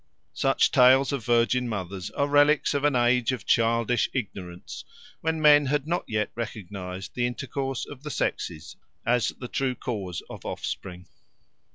Such tales of virgin mothers are relics of an age of childish ignorance when men had not yet recognized the intercourse of the sexes as the true cause of offspring.